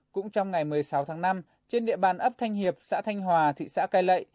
cũng trong ngày một mươi sáu tháng năm trên địa bàn ấp thanh hiệp xã thanh hòa thị xã cai lệ